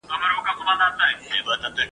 چي پر هرقدم د خدای شکر کومه ..